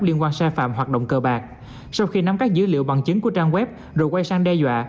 liên quan sai phạm hoạt động cờ bạc sau khi nắm các dữ liệu bằng chứng của trang web rồi quay sang đe dọa